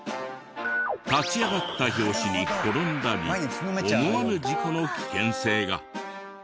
立ち上がった拍子に転んだり思わぬ事故の危険性が。